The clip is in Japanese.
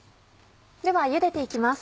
ではゆでていきます。